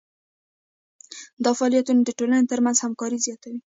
دا فعالیتونه د ټولنې ترمنځ همکاري زیاتوي.